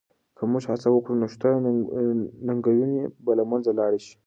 که موږ هڅه وکړو نو شته ننګونې به له منځه لاړې شي.